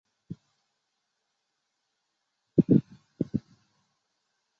至元十六年。